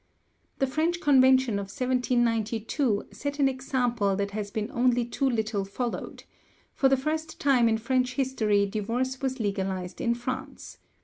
The French Convention of 1792 set an example that has been only too little followed; for the first time in French history divorce was legalised in France.